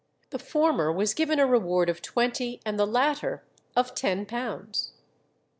The former was given a reward of twenty and the latter of ten pounds.